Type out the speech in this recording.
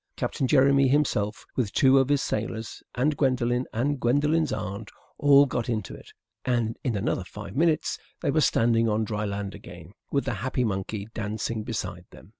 Captain Jeremy himself, with two of his sailors, and Gwendolen, and Gwendolen's aunt all got into it; and in another five minutes they were standing on dry land again, with the happy monkey dancing beside them.